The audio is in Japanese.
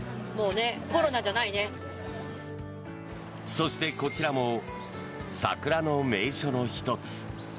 そしてこちらも桜の名所の１つ。